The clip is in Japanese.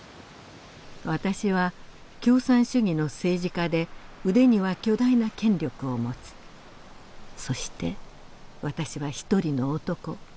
私は共産主義の政治家で腕には巨大な権力を持つそして私はひとりの男